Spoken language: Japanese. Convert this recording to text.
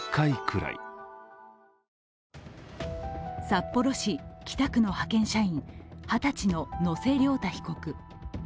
札幌市北区の派遣社員二十歳の野瀬瞭太被告。